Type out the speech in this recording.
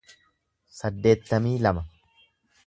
saddeettamii lama